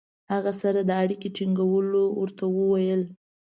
هغه سره د اړیکې ټینګولو ورته وویل.